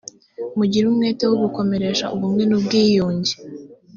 mugire umwete wo gukomeresha ubumwe n’ubwiyunge